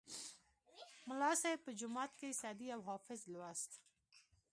ملا صیب به جومات کې سعدي او حافظ لوست.